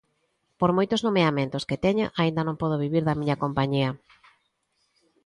Por moitos nomeamentos que teña, aínda non podo vivir da miña compañía.